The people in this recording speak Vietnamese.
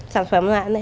sản phẩm lại